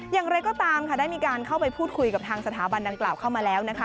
อย่างไรก็ตามค่ะได้มีการเข้าไปพูดคุยกับทางสถาบันดังกล่าวเข้ามาแล้วนะคะ